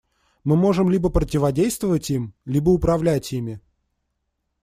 Мы можем либо противодействовать им, либо управлять ими.